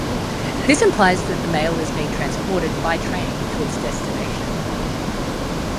This implies that the mail is being transported by train to its destination.